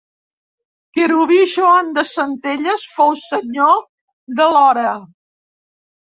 Querubí Joan de Centelles fou senyor d'Aiora.